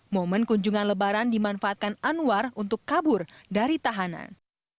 momen kunjungan lebaran dimanfaatkan anwar untuk kabur dari tahanan